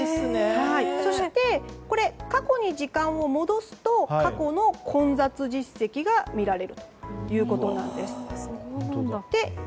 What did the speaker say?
そして、過去に時間を戻すと過去の混雑実績が見られるということです。